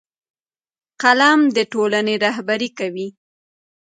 قلم د ټولنې رهبري کوي